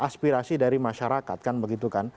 aspirasi dari masyarakat kan begitu kan